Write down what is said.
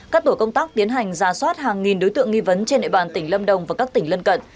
các tổ công tác tiến hành ra soát hàng nghìn đối tượng nghi vấn trên địa bàn tỉnh lâm đồng và các tỉnh lân cận